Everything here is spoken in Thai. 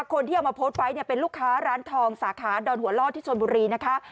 คนที่เอามาโพสต์ไว้เนี่ยเป็นลูกค้าร้านทองสาขาดอนหัวล่อที่ชนบุรีนะคะ